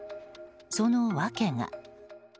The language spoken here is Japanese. その訳が。